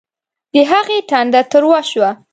د هغې ټنډه تروه شوه